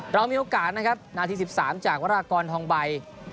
เรามีโอกาสนะครับนาที๑๓จากวรากรทองใบ